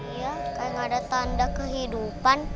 iya kayak gak ada tanda kehidupan